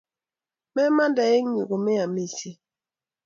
Memande eng' yu kome amisye